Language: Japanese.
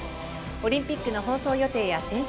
オリンピックの放送予定や選手